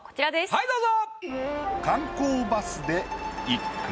はいどうぞ。